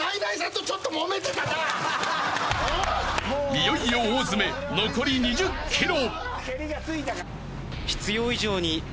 ［いよいよ大詰め残り２０ｋｍ］